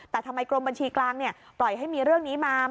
แต่ทำไมกรมบัญชีกลางปล่อยให้มีเรื่องนี้มา